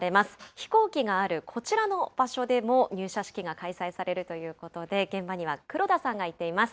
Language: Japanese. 飛行機があるこちらの場所でも入社式が開催されるということで、現場には黒田さんが行っています。